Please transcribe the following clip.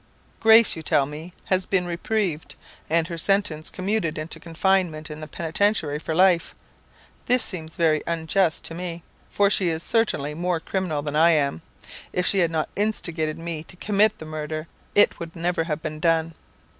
"Grace, you tell me, has been reprieved, and her sentence commuted into confinement in the Penitentiary for life. This seems very unjust to me, for she is certainly more criminal than I am. If she had not instigated me to commit the murder, it never would have been done.